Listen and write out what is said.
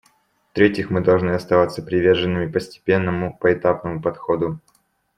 В-третьих, мы должны оставаться приверженными постепенному, поэтапному подходу.